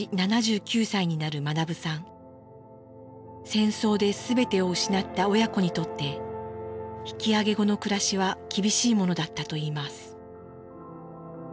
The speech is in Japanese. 戦争で全てを失った親子にとって引き揚げ後の暮らしは厳しいものだったといいます。